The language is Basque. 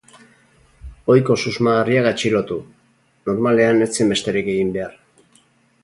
Ohiko susmagarriak atxilotu, normalean ez zen besterik egin behar.